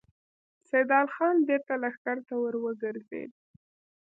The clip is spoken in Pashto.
سيدال خان بېرته لښکر ته ور وګرځېد.